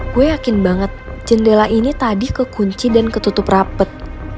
gue yakin banget jendela ini tadi kekunci dan ketutup rapet